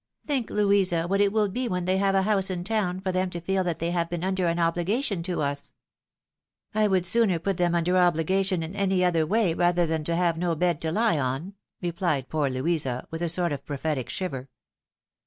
Think, Louisa, what it will be when they have a house in town for them to feel that they have been under an obhgation to us !"" I would sooner put them under an obligation in any other way rather than have no bed to he on," rephed poor Louisa, with a sort of prophetic shiver.